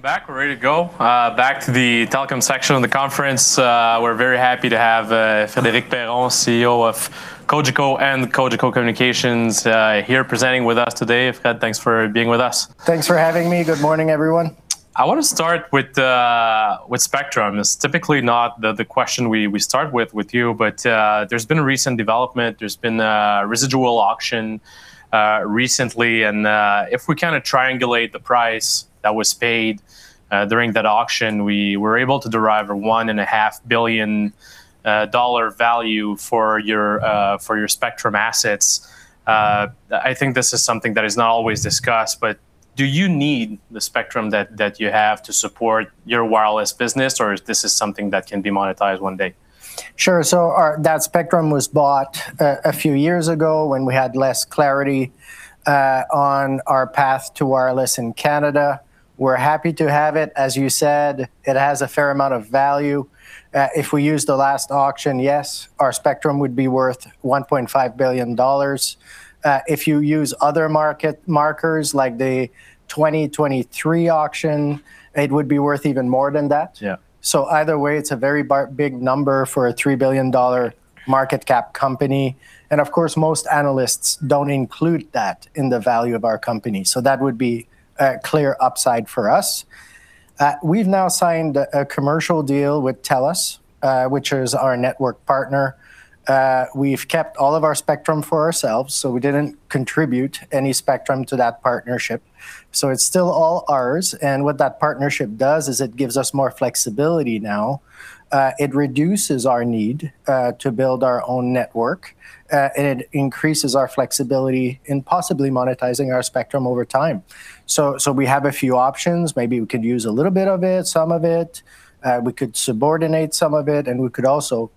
Welcome back. We're ready to go back to the telecom section of the conference. We're very happy to have Frédéric Perron, CEO of Cogeco and Cogeco Communications, here presenting with us today. Fred, thanks for being with us. Thanks for having me. Good morning, everyone. I wanna start with spectrum. It's typically not the question we start with you, but there's been a recent development. There's been a residual auction recently, and if we kinda triangulate the price that was paid during that auction, we were able to derive a 1.5 billion dollar value for your spectrum assets. I think this is something that is not always discussed, but do you need the spectrum that you have to support your wireless business, or is this something that can be monetized one day? Sure. That spectrum was bought a few years ago when we had less clarity on our path to wireless in Canada. We're happy to have it. As you said, it has a fair amount of value. If we use the last auction, yes, our spectrum would be worth 1.5 billion dollars. If you use other market markers like the 2023 auction, it would be worth even more than that. Yeah. Either way, it's a very big number for a 3 billion dollar market cap company, and of course, most analysts don't include that in the value of our company. That would be a clear upside for us. We've now signed a commercial deal with TELUS, which is our network partner. We've kept all of our spectrum for ourselves, so we didn't contribute any spectrum to that partnership, so it's still all ours. What that partnership does is it gives us more flexibility now. It reduces our need to build our own network. It increases our flexibility in possibly monetizing our spectrum over time. We have a few options. Maybe we could use a little bit of it, some of it. We could subordinate some of it, and we could also,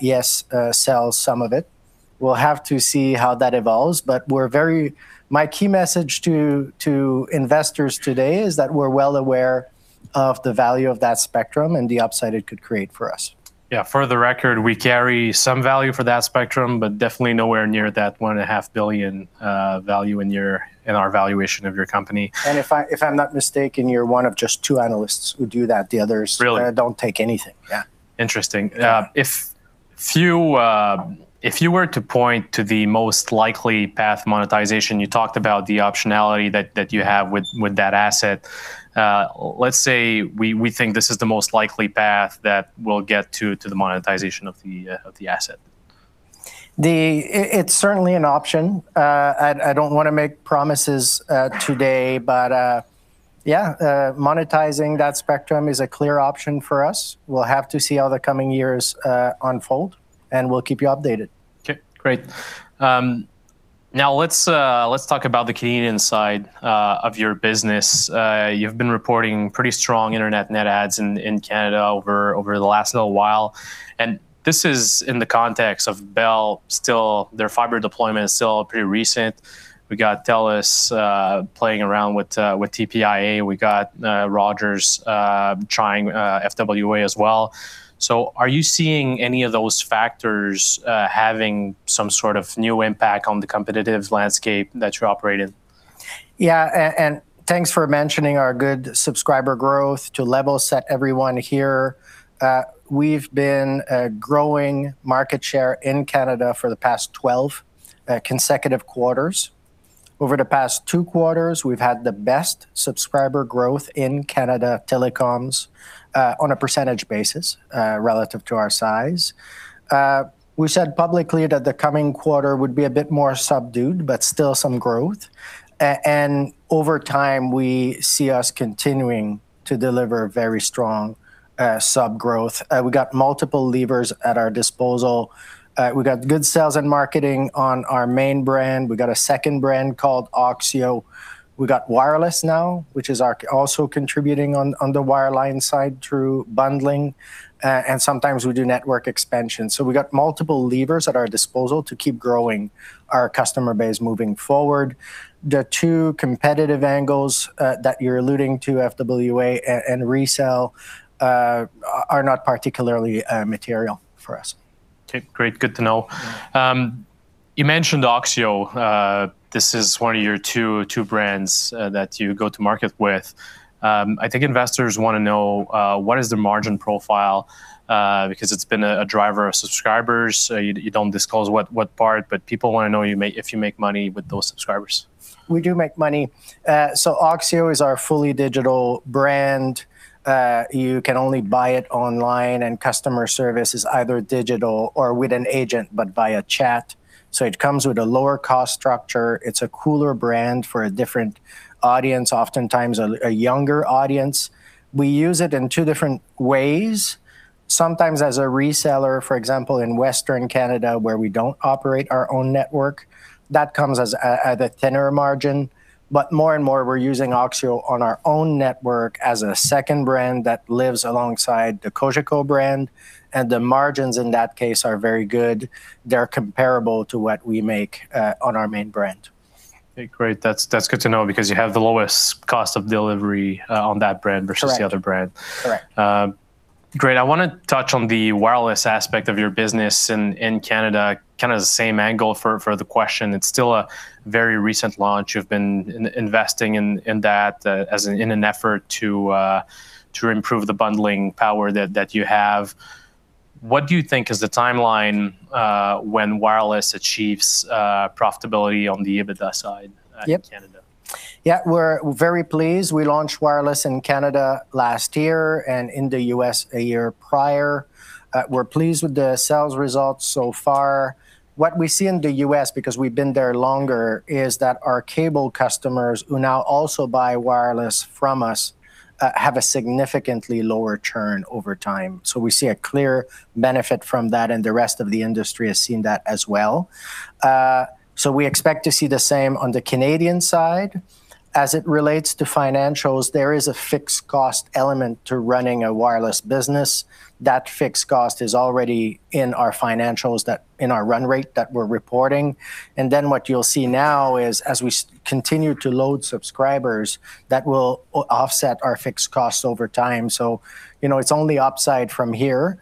yes, sell some of it. We'll have to see how that evolves, but my key message to investors today is that we're well aware of the value of that spectrum and the upside it could create for us. Yeah. For the record, we carry some value for that spectrum, but definitely nowhere near 1.5 billion value in our valuation of your company. If I'm not mistaken, you're one of just two analysts who do that. The others. Really? Don't take anything. Yeah. Interesting. Yeah. If you were to point to the most likely path to monetization, you talked about the optionality that you have with that asset. Let's say we think this is the most likely path that we'll get to the monetization of the asset. It's certainly an option. I don't wanna make promises today, but yeah, monetizing that spectrum is a clear option for us. We'll have to see how the coming years unfold, and we'll keep you updated. Okay. Great. Now let's talk about the Canadian side of your business. You've been reporting pretty strong internet net adds in Canada over the last little while, and this is in the context of Bell still their fiber deployment is still pretty recent. We got TELUS playing around with TPIA. We got Rogers trying FWA as well. Are you seeing any of those factors having some sort of new impact on the competitive landscape that you operate in? Yeah. Thanks for mentioning our good subscriber growth. To level set everyone here, we've been growing market share in Canada for the past 12 consecutive quarters. Over the past two quarters, we've had the best subscriber growth in Canada telecoms on a percentage basis relative to our size. We said publicly that the coming quarter would be a bit more subdued, but still some growth. Over time, we see us continuing to deliver very strong sub growth. We got multiple levers at our disposal. We got good sales and marketing on our main brand. We got a second brand called Oxio. We got wireless now, which is also contributing on the wireline side through bundling. Sometimes we do network expansion. We got multiple levers at our disposal to keep growing our customer base moving forward. The two competitive angles that you're alluding to, FWA and resell, are not particularly material for us. Okay. Great. Good to know. You mentioned Oxio. This is one of your two brands that you go to market with. I think investors wanna know what is the margin profile? Because it's been a driver of subscribers. You don't disclose what part, but people wanna know if you make money with those subscribers. We do make money. Oxio is our fully digital brand. You can only buy it online, and customer service is either digital or with an agent, but via chat, so it comes with a lower cost structure. It's a cooler brand for a different audience, oftentimes a younger audience. We use it in two different ways. Sometimes as a reseller, for example, in Western Canada, where we don't operate our own network. That comes at a thinner margin, but more and more we're using Oxio on our own network as a second brand that lives alongside the Cogeco brand, and the margins in that case are very good. They're comparable to what we make on our main brand. Okay. Great. That's good to know because you have the lowest cost of delivery on that brand. Correct Versus the other brand. Correct. Great. I wanna touch on the wireless aspect of your business in Canada, kinda the same angle for the question. It's still a very recent launch. You've been investing in that as an effort to improve the bundling power that you have. What do you think is the timeline when wireless achieves profitability on the EBITDA side? Yep In Canada? Yeah. We're very pleased. We launched wireless in Canada last year, and in the U.S. a year prior. We're pleased with the sales results so far. What we see in the U.S., because we've been there longer, is that our cable customers who now also buy wireless from us have a significantly lower churn over time. We see a clear benefit from that, and the rest of the industry has seen that as well. We expect to see the same on the Canadian side. As it relates to financials, there is a fixed cost element to running a wireless business. That fixed cost is already in our financials, in our run rate that we're reporting. What you'll see now is, as we continue to load subscribers, that will offset our fixed costs over time. You know, it's only upside from here.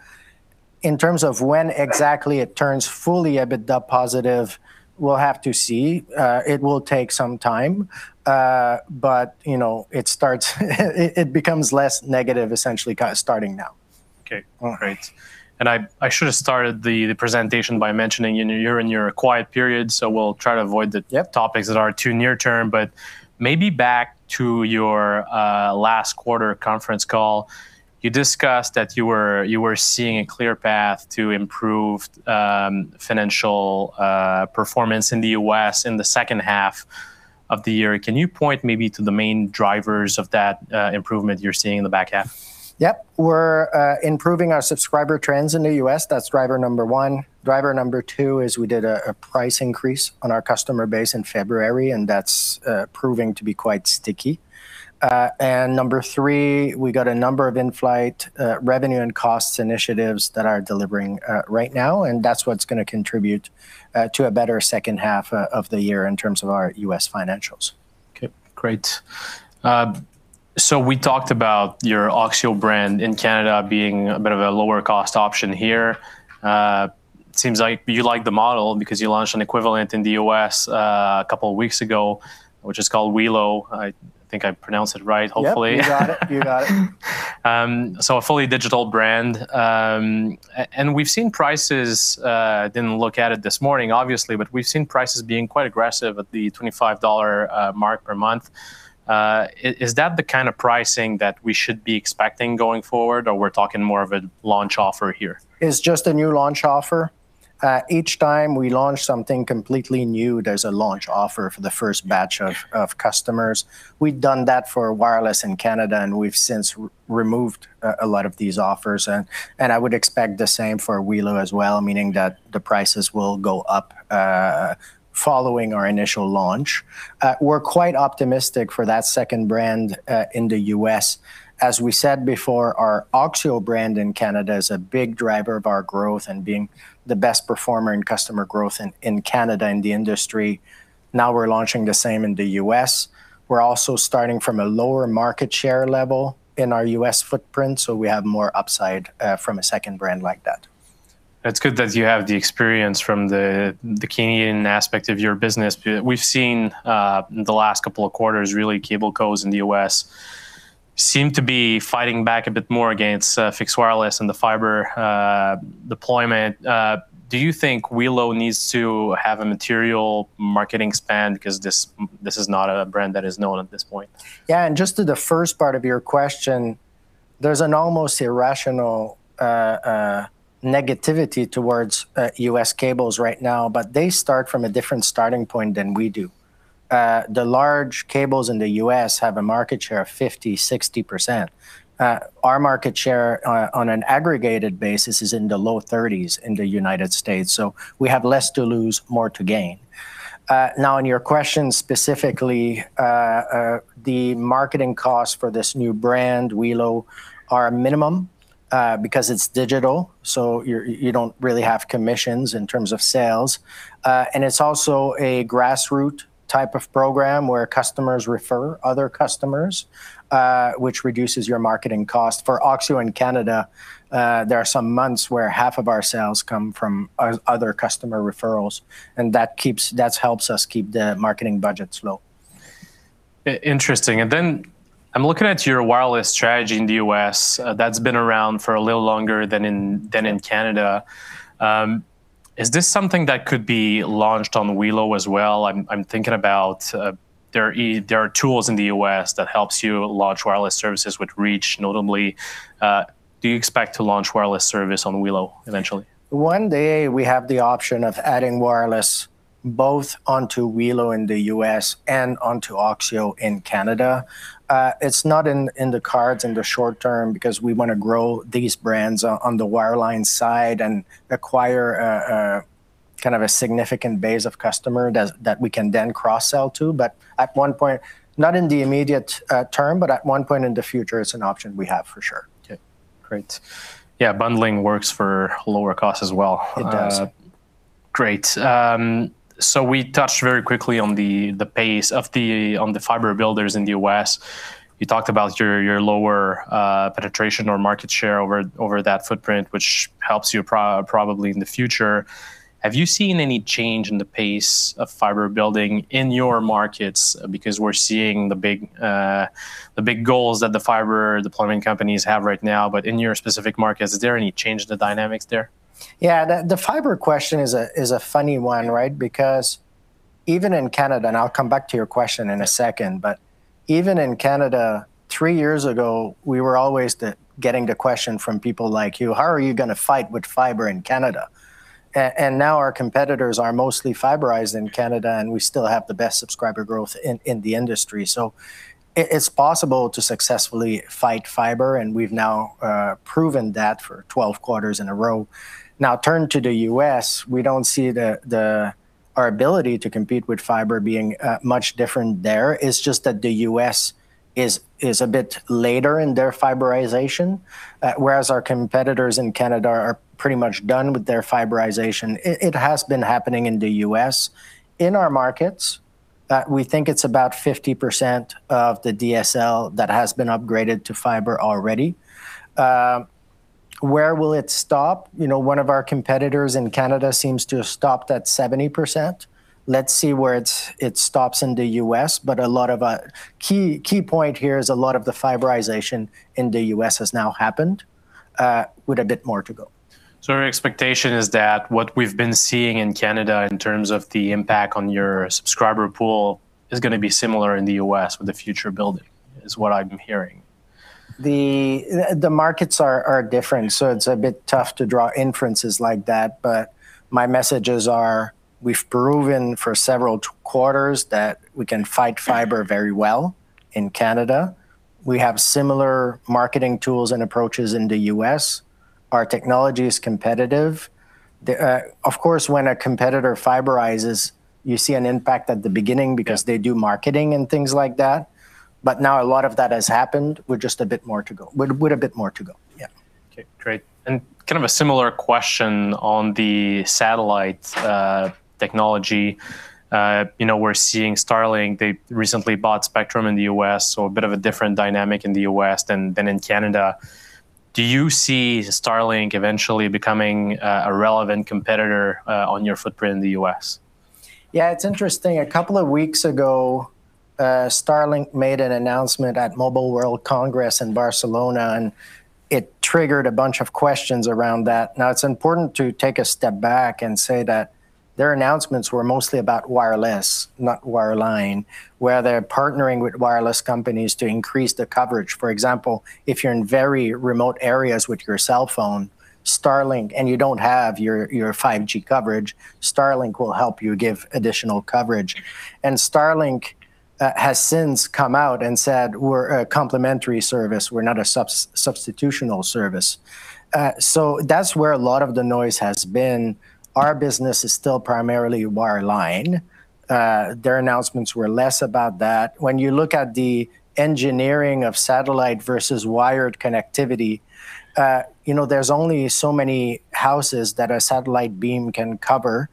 In terms of when exactly it turns fully EBITDA positive, we'll have to see. It will take some time. You know, it becomes less negative essentially starting now. Okay. All right. Great. I should have started the presentation by mentioning, you know, you're in your quiet period, so we'll try to avoid the. Yep Topics that are too near term. Maybe back to your last quarter conference call. You discussed that you were seeing a clear path to improved financial performance in the U.S. in the second half of the year. Can you point maybe to the main drivers of that improvement you're seeing in the back half? Yep. We're improving our subscriber trends in the U.S. That's driver number one. Driver number two is we did a price increase on our customer base in February, and that's proving to be quite sticky. Number three, we got a number of in-flight revenue and costs initiatives that are delivering right now, and that's what's gonna contribute to a better second half of the year in terms of our U.S. financials. Okay. Great. We talked about your Oxio brand in Canada being a bit of a lower cost option here. Seems like you like the model because you launched an equivalent in the U.S. a couple weeks ago, which is called welo. I think I pronounced it right, hopefully. Yep, you got it. You got it. A fully digital brand. We've seen prices. Didn't look at it this morning, obviously, but we've seen prices being quite aggressive at the $25 mark per month. Is that the kind of pricing that we should be expecting going forward, or we're talking more of a launch offer here? It's just a new launch offer. Each time we launch something completely new, there's a launch offer for the first batch of customers. We've done that for wireless in Canada, and we've since removed a lot of these offers. I would expect the same for welo as well, meaning that the prices will go up following our initial launch. We're quite optimistic for that second brand in the U.S. As we said before, our Oxio brand in Canada is a big driver of our growth and being the best performer in customer growth in Canada in the industry. Now we're launching the same in the U.S. We're also starting from a lower market share level in our U.S. footprint, so we have more upside from a second brand like that. That's good that you have the experience from the Canadian aspect of your business. We've seen the last couple of quarters really cable cos in the U.S. seem to be fighting back a bit more against fixed wireless and the fiber deployment. Do you think welo needs to have a material marketing spend because this is not a brand that is known at this point? Yeah, just to the first part of your question, there's an almost irrational negativity towards U.S. cables right now, but they start from a different starting point than we do. The large cables in the U.S. have a market share of 50%-60%. Our market share, on an aggregated basis, is in the low 30s% in the United States, so we have less to lose, more to gain. Now in your question specifically, the marketing cost for this new brand, welo, are a minimum because it's digital, so you don't really have commissions in terms of sales. It's also a grassroots type of program where customers refer other customers, which reduces your marketing cost. For Oxio in Canada, there are some months where half of our sales come from other customer referrals, and that helps us keep the marketing budgets low. Interesting. I'm looking at your wireless strategy in the U.S. That's been around for a little longer than in Canada. Is this something that could be launched on welo as well? I'm thinking about there are tools in the U.S. that help you launch wireless services with reach, notably. Do you expect to launch wireless service on welo eventually? One day, we have the option of adding wireless both onto welo in the U.S. and onto Oxio in Canada. It's not in the cards in the short term because we wanna grow these brands on the wireline side and acquire kind of a significant base of customer that we can then cross-sell to. At one point, not in the immediate term, at one point in the future, it's an option we have for sure. Okay. Great. Yeah, bundling works for lower cost as well. It does. Great. We touched very quickly on the pace of the fiber builders in the U.S. You talked about your lower penetration or market share over that footprint, which helps you probably in the future. Have you seen any change in the pace of fiber building in your markets? Because we're seeing the big goals that the fiber deployment companies have right now. In your specific markets, is there any change in the dynamics there? Yeah. The fiber question is a funny one, right? Because even in Canada, and I'll come back to your question in a second, but even in Canada, three years ago, we were always getting the question from people like you, "How are you gonna fight with fiber in Canada?" And now our competitors are mostly fiberized in Canada, and we still have the best subscriber growth in the industry. It's possible to successfully fight fiber, and we've now proven that for 12 quarters in a row. Now turn to the U.S., we don't see our ability to compete with fiber being much different there. It's just that the U.S. is a bit later in their fiberization, whereas our competitors in Canada are pretty much done with their fiberization. It has been happening in the U.S. In our markets, we think it's about 50% of the DSL that has been upgraded to fiber already. Where will it stop? You know, one of our competitors in Canada seems to have stopped at 70%. Let's see where it stops in the U.S. The key point here is a lot of the fiberization in the U.S. has now happened with a bit more to go. Your expectation is that what we've been seeing in Canada in terms of the impact on your subscriber pool is gonna be similar in the U.S. with the future building, is what I'm hearing. The markets are different, so it's a bit tough to draw inferences like that. My messages are, we've proven for several quarters that we can fight fiber very well in Canada. We have similar marketing tools and approaches in the U.S. Our technology is competitive. Of course, when a competitor fiberizes, you see an impact at the beginning because they do marketing and things like that. Now a lot of that has happened with just a bit more to go. With a bit more to go. Yeah. Okay. Great. Kind of a similar question on the satellite technology. You know, we're seeing Starlink. They recently bought Spectrum in the U.S., so a bit of a different dynamic in the U.S. than in Canada. Do you see Starlink eventually becoming a relevant competitor on your footprint in the U.S.? Yeah. It's interesting. A couple of weeks ago, Starlink made an announcement at Mobile World Congress in Barcelona, and it triggered a bunch of questions around that. Now, it's important to take a step back and say that their announcements were mostly about wireless, not wireline, where they're partnering with wireless companies to increase the coverage. For example, if you're in very remote areas with your cell phone, Starlink, and you don't have your 5G coverage, Starlink will help you give additional coverage. Starlink has since come out and said, "We're a complementary service. We're not a substitutional service." So that's where a lot of the noise has been. Our business is still primarily wireline. Their announcements were less about that. When you look at the engineering of satellite versus wired connectivity, you know, there's only so many houses that a satellite beam can cover.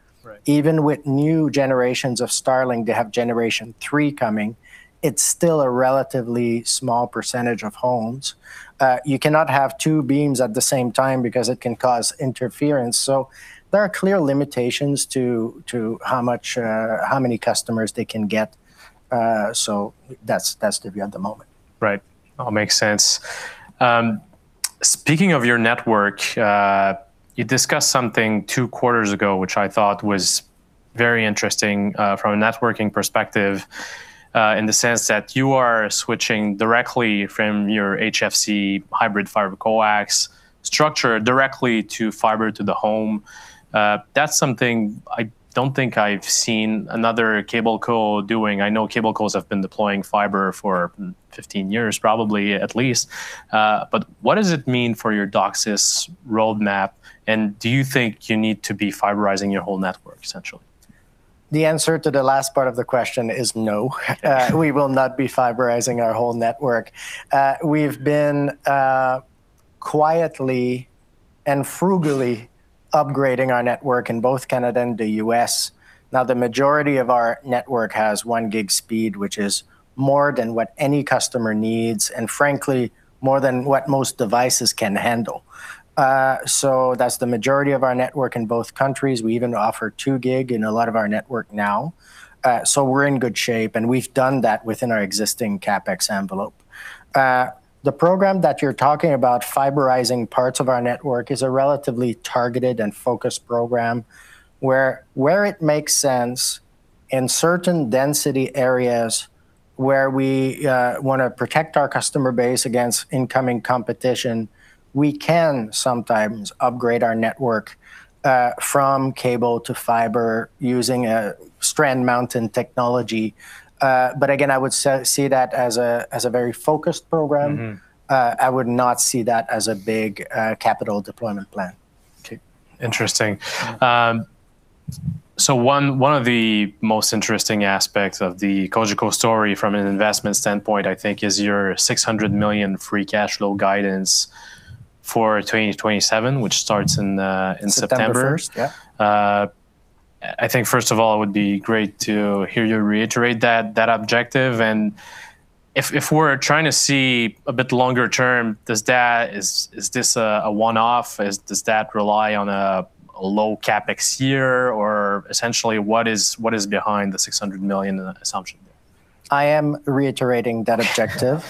Right. Even with new generations of Starlink, they have generation three coming, it's still a relatively small percentage of homes. You cannot have two beams at the same time because it can cause interference. There are clear limitations to how much, how many customers they can get, so that's the view at the moment. Right. All makes sense. Speaking of your network, you discussed something two quarters ago, which I thought was very interesting, from a networking perspective, in the sense that you are switching directly from your HFC hybrid fiber-coax structure directly to fiber to the home. That's something I don't think I've seen another cable co doing. I know cable cos have been deploying fiber for 15 years probably at least. What does it mean for your DOCSIS roadmap, and do you think you need to be fiberizing your whole network essentially? The answer to the last part of the question is no. We will not be fiberizing our whole network. We've been quietly and frugally upgrading our network in both Canada and the U.S. Now, the majority of our network has 1 Gb speed, which is more than what any customer needs, and frankly, more than what most devices can handle. That's the majority of our network in both countries. We even offer 2 Gb in a lot of our network now. We're in good shape, and we've done that within our existing CapEx envelope. The program that you're talking about, fiberizing parts of our network, is a relatively targeted and focused program where it makes sense in certain density areas where we wanna protect our customer base against incoming competition, we can sometimes upgrade our network from cable to fiber using a strand mount technology. Again, I would see that as a very focused program. Mm-hmm. I would not see that as a big capital deployment plan. Okay. Interesting. One of the most interesting aspects of the Cogeco story from an investment standpoint, I think, is your 600 million free cash flow guidance for 2027, which starts in September. September 1st. Yeah. I think, first of all, it would be great to hear you reiterate that objective. If we're trying to see a bit longer term, is this a one-off? Does that rely on a low CapEx year? Or essentially, what is behind the 600 million assumption? I am reiterating that objective.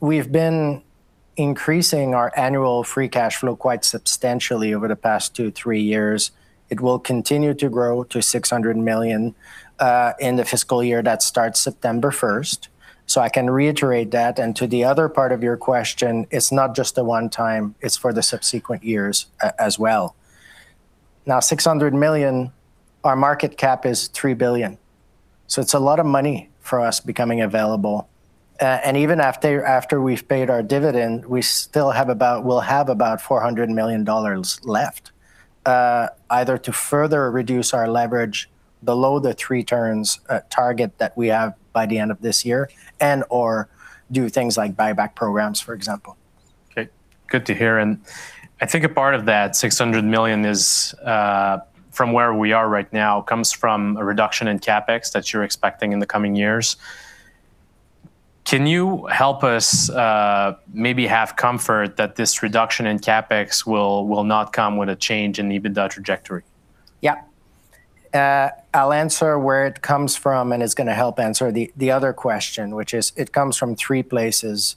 We've been increasing our annual free cash flow quite substantially over the past two, three years. It will continue to grow to 600 million in the fiscal year that starts September 1st. I can reiterate that. To the other part of your question, it's not just a one-time, it's for the subsequent years as well. Now, 600 million, our market cap is 3 billion, so it's a lot of money for us becoming available. Even after we've paid our dividend, we'll have about 400 million dollars left, either to further reduce our leverage below the three turns target that we have by the end of this year and/or do things like buyback programs, for example. Okay. Good to hear. I think a part of that 600 million is, from where we are right now, comes from a reduction in CapEx that you're expecting in the coming years. Can you help us, maybe have comfort that this reduction in CapEx will not come with a change in EBITDA trajectory? Yeah. I'll answer where it comes from, and it's gonna help answer the other question which is it comes from three places.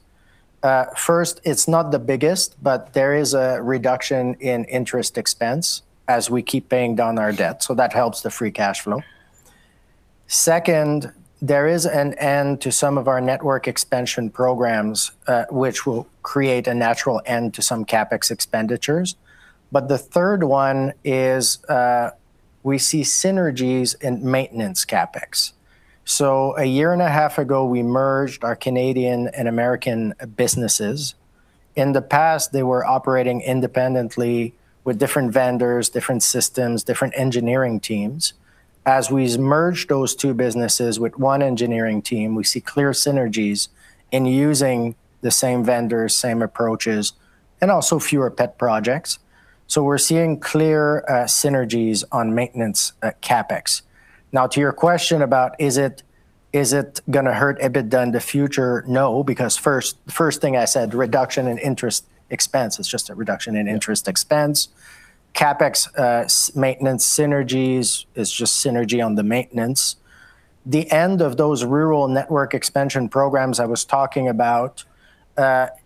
First, it's not the biggest, but there is a reduction in interest expense as we keep paying down our debt, so that helps the free cash flow. Second, there is an end to some of our network expansion programs, which will create a natural end to some CapEx expenditures. The third one is, we see synergies in maintenance CapEx. A year and a half ago, we merged our Canadian and American businesses. In the past, they were operating independently with different vendors, different systems, different engineering teams. As we've merged those two businesses with one engineering team, we see clear synergies in using the same vendors, same approaches, and also fewer pet projects. We're seeing clear synergies on maintenance, CapEx. Now, to your question about is it gonna hurt EBITDA in the future? No, because first thing I said, reduction in interest expense. It's just a reduction in interest expense. Yeah. CapEx, maintenance synergies is just synergy on the maintenance. The end of those rural network expansion programs I was talking about,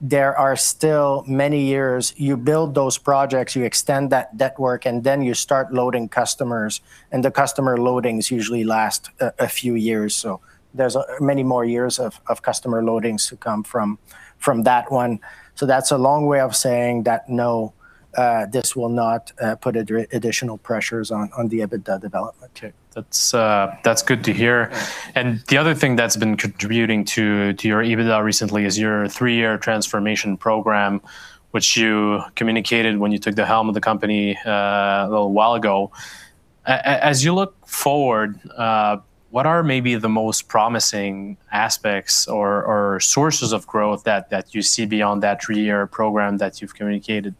there are still many years. You build those projects, you extend that network, and then you start loading customers, and the customer loadings usually last a few years. There's many more years of customer loadings to come from that one. That's a long way of saying that, no, this will not put additional pressures on the EBITDA development. Okay. That's good to hear. Yeah. The other thing that's been contributing to your EBITDA recently is your three-year transformation program which you communicated when you took the helm of the company a little while ago. As you look forward, what are maybe the most promising aspects or sources of growth that you see beyond that three-year program that you've communicated?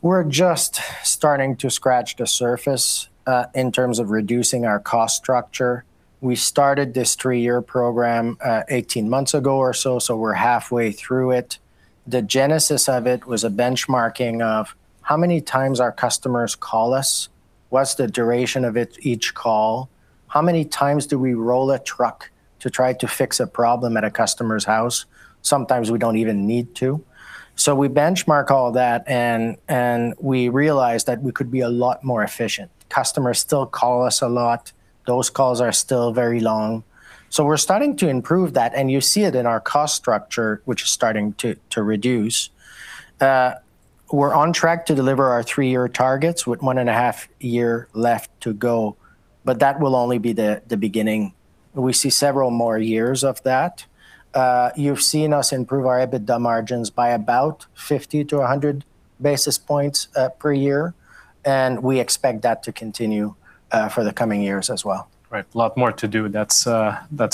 We're just starting to scratch the surface in terms of reducing our cost structure. We started this three-year program 18 months ago or so we're halfway through it. The genesis of it was a benchmarking of how many times our customers call us, what's the duration of each call? How many times do we roll a truck to try to fix a problem at a customer's house? Sometimes we don't even need to. We benchmark all that and we realize that we could be a lot more efficient. Customers still call us a lot. Those calls are still very long. We're starting to improve that, and you see it in our cost structure, which is starting to reduce. We're on track to deliver our three-year targets with one and a half year left to go. That will only be the beginning. We see several more years of that. You've seen us improve our EBITDA margins by about 50-100 basis points per year, and we expect that to continue for the coming years as well. Right. A lot more to do. That's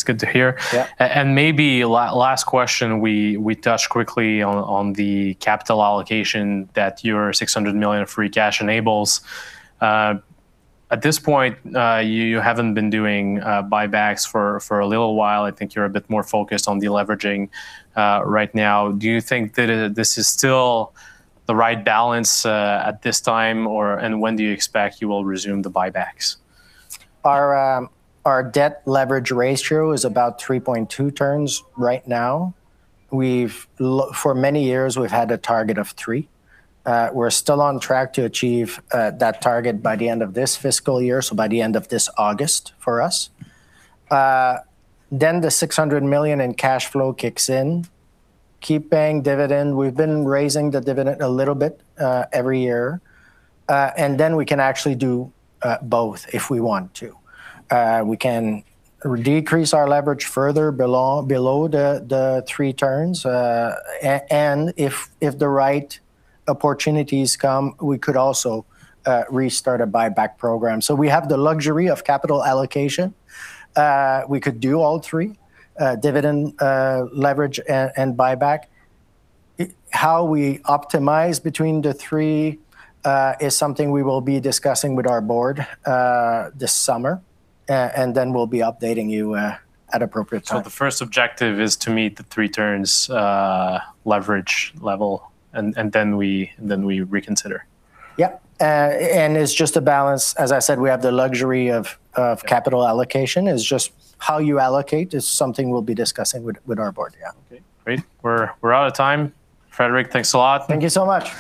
good to hear. Yeah. Maybe last question we touched quickly on the capital allocation that your 600 million of free cash enables. At this point, you haven't been doing buybacks for a little while. I think you're a bit more focused on deleveraging right now. Do you think that this is still the right balance at this time? When do you expect you will resume the buybacks? Our debt leverage ratio is about 3.2 turns right now. For many years, we've had a target of three. We're still on track to achieve that target by the end of this fiscal year, so by the end of this August for us. The 600 million in cash flow kicks in. Keep paying dividend. We've been raising the dividend a little bit every year. We can actually do both if we want to. We can decrease our leverage further below the three turns. If the right opportunities come, we could also restart a buyback program. We have the luxury of capital allocation. We could do all three, dividend, leverage, and buyback. How we optimize between the three is something we will be discussing with our board this summer, and then we'll be updating you at appropriate time. The first objective is to meet the three turns, leverage level, and then we reconsider? Yeah. It's just a balance. As I said, we have the luxury of capital allocation. It's just how you allocate is something we'll be discussing with our board. Yeah. Okay. Great. We're out of time. Frédéric, thanks a lot. Thank you so much.